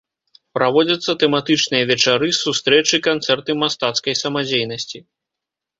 Праводзяцца тэматычныя вечары, сустрэчы, канцэрты мастацкай самадзейнасці.